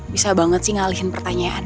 bisa banget sih ngalihin pertanyaan